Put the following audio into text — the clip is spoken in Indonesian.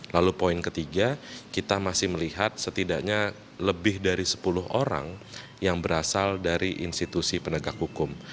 lalu poin ketiga kita masih melihat setidaknya lebih dari sepuluh orang yang berasal dari institusi penegak hukum